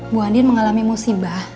bu andin mengalami musibah